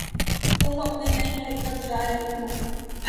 تم اپنے نئے گھر کب جا رہی ہو